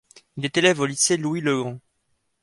Il est élève au Lycée Louis-le-Grand.